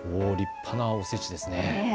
立派なをおせちですね。